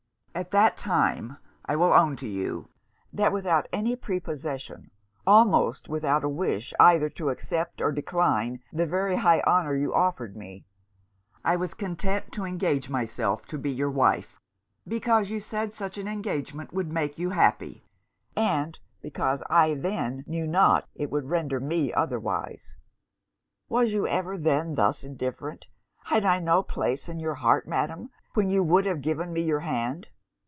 'At that time, I will own to you, that without any prepossession, almost without a wish either to accept or decline the very high honour you offered me, I was content to engage myself to be your wife; because you said such an engagement would make you happy, and because I then knew not that it would render me otherwise.' 'Was you even then thus indifferent? Had I no place in your heart, Madam, when you would have given me your hand?'